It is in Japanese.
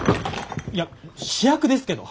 いや試薬ですけど。